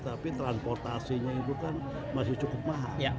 tapi transportasinya itu kan masih cukup mahal